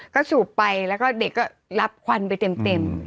ก็สูบไปแล้วก็เด็กก็รับควันไปเต็ม